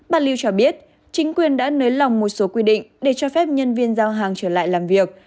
bà lưu cho biết chính quyền đã nới lỏng một số quy định để cho phép nhân viên giao hàng trở lại làm việc